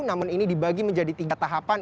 namun ini dibagi menjadi tiga tahapan